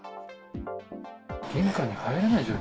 玄関に入れない状況？